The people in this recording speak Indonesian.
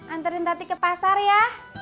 anterin nanti ke pasar ya